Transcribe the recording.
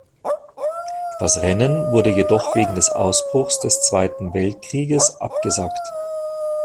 Das Rennen wurde jedoch wegen des Ausbruchs des Zweiten Weltkrieges abgesagt.